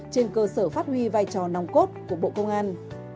trên cơ sở phát huy vai trò nòng cốt của bộ công an